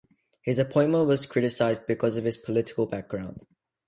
His appointment was criticised because of his political background.